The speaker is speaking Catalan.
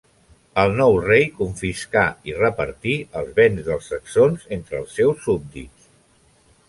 El nou rei confiscà i repartí els béns dels saxons entre els seus súbdits.